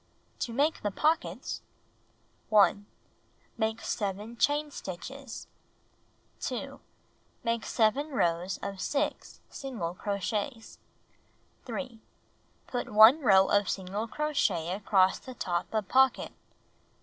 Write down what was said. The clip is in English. To Make the Pockets 1. Make 7 chain stitches. 2. Make 7 rows of 6 single crochets. 3. Put 1 row of single crochet across the top of pocket.